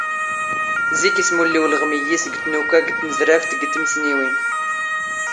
ⵣⵉⴽ ⵉⵙⵎⵓⵍⵍⵉ ⵓⵍⵖⵎ ⵉⵢⵢⵉⵙ ⴳ ⵜⵏⵓⴽⴰ ⴳ ⵜⵏⵣⵔⴰⴼ ⴳ ⵜⵎⵙⵏⵉⵡⵉⵏ.